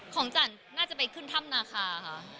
จันน่าจะไปขึ้นถ้ำนาคาค่ะ